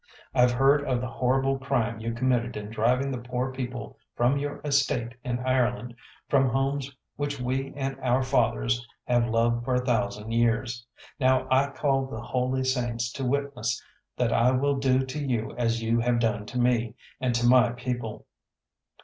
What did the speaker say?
I've heard of the horrible crime you committed in driving the poor people from your estate in Ireland, from homes which we and our fathers have loved for a thousand years. Now I call the holy saints to witness that I will do to you as you have done to me, and to my people.